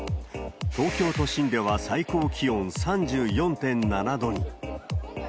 東京都心では最高気温３４．７度に。